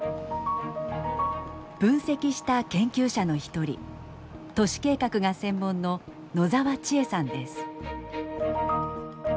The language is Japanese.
分析した研究者の一人都市計画が専門の野澤千絵さんです。